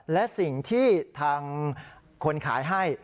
และสิ่งที่ทางคนขายให้